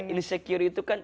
insecure itu kan